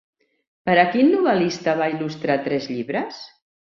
Per a quin novel·lista va il·lustrar tres llibres?